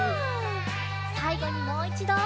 さいごにもういちど。